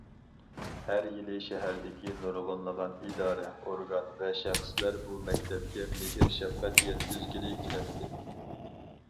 ھەر يىلى شەھەردىكى نۇرغۇنلىغان ئىدارە- ئورگان ۋە شەخسلەر بۇ مەكتەپكە مېھىر- شەپقەت يەتكۈزگىلى كېلەتتى.